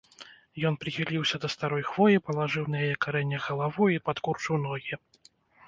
Ён прыхіліўся да старой хвоі, палажыў на яе карэннях галаву і падкурчыў ногі.